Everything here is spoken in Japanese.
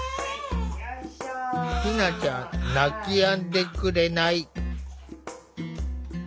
ひなちゃん泣きやんでくれない。